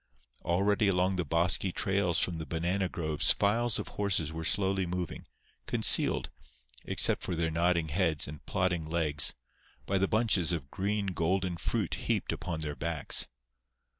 Already along the bosky trails from the banana groves files of horses were slowly moving, concealed, except for their nodding heads and plodding legs, by the bunches of green golden fruit heaped upon their backs.